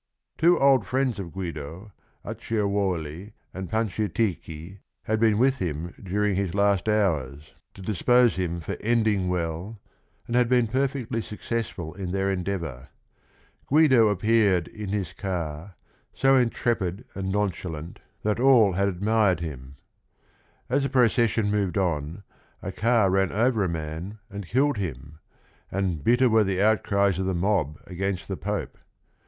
Two old friends of Guido, Acciaiuoli and Pan ciatichi, jiad been witn hi m during his last h ours, to dispose him tor ending well, and had been perfectly successful in their endeavor. Guido appeared in his car, so intrepid and nonchalant 204 THE RING AND THE BOOK that all had admired him. As the procession moved nng, par ran nvpr a. rnjmjmrHrillprl him, " and 45itter were the outcries of the mob against the Pope."